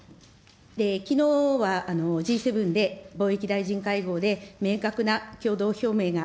きのうはＧ７で貿易大臣会合で明確な共同表明が、